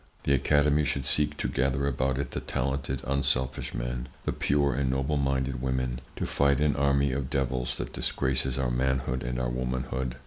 The Academy should seek to gather about it the talented, unselfish men, the pure and noble minded women, to fight an army of devils that disgraces our manhood and our womanhood.